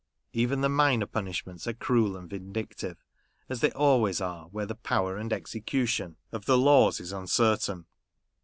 Even the minor punishments are cruel and vindictive, as they always are where the power and execution of the laws is uncertain.